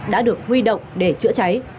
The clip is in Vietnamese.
đã được huy động để chữa cháy